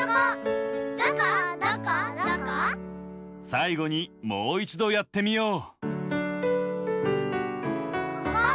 さいごにもういちどやってみよう！